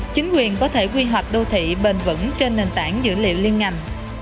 chính quyền có thể quy hoạch đô thị bền vững trên nền tảng dữ liệu liên ngành